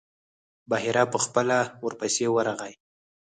بحیرا په خپله ورپسې ورغی.